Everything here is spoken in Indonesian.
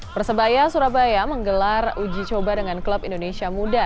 persebaya surabaya menggelar uji coba dengan klub indonesia muda